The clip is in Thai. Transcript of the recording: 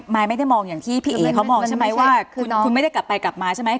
มายไม่ได้มองอย่างที่พี่เอ๋เขามองใช่ไหมว่าคุณไม่ได้กลับไปกลับมาใช่ไหม